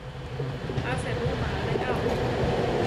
A serúma alé ao.